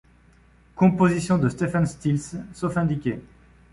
Compositions de Stephen Stills sauf indiqué.